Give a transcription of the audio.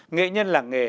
nghệ nhân làng nghề